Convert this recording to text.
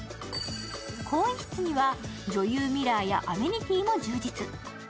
更衣室には女優ミラーやアメニティーも充実。